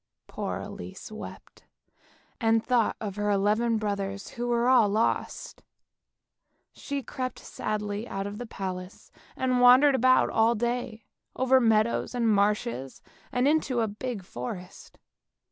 Poor Elise wept, and thought of her eleven brothers who were all lost. She crept sadly out of the palace and wandered about all day, over meadows and marshes, and into a big forest.